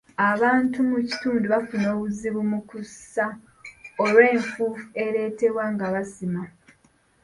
Abantu mu kitundu bafuna obuzibu mu kussa olw'enfuufu ereetebwa nga basima.